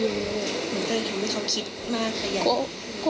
หนูไม่ต้องคิดมากใหญ่